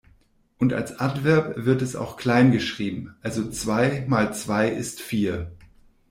Und als Adverb wird es auch klein geschrieben, also zwei mal zwei ist vier.